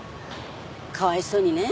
かわいそうにね